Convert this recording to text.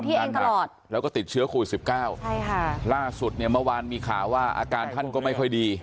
อาการหนักแล้วก็ติดเชื้อโควิดสิบเก้าใช่ค่ะล่าสุดเนี่ยเมื่อวานมีข่าวว่าอาการท่านก็ไม่ค่อยดี